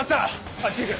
あっち行く。